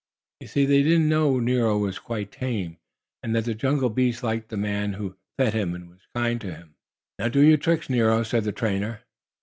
You see they didn't know Nero was quite tame, and that the jungle beast liked the man who fed him and was kind to him. "Now do your tricks, Nero!" said the trainer.